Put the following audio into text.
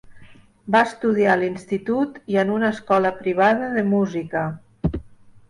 Va estudiar a l'institut i en una escola privada de música.